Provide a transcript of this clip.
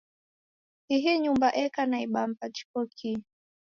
Ihi nyumba eka na ibamba jighokie.